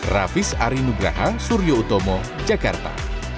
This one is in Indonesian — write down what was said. rafis arinugraha suryo utomo jakarta